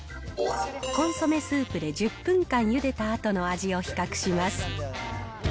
コンソメスープで１０分間ゆでたあとの味を比較します。